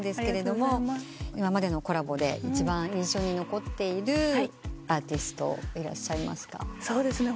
今までのコラボで一番印象に残っているアーティストいらっしゃいますか？